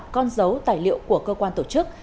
con dấu tài liệu của cơ quan tổ chức